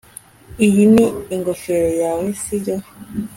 iyi ni ingofero yawe, sibyo